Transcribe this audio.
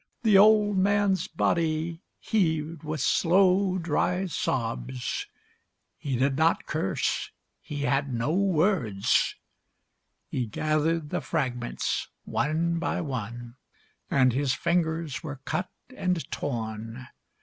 The old man's body heaved with slow, dry sobs. He did not curse, he had no words. He gathered the fragments, one by one, And his fingers were cut and torn.